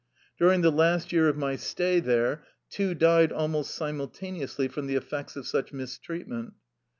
During the last year of my stay there two died almost simultaneously from the effects of such mis treatment.